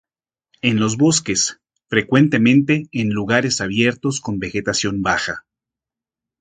En los bosques, frecuentemente en lugares abiertos con vegetación baja.